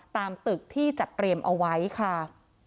ตามตึกที่จัดเตรียมเอาไว้ค่ะ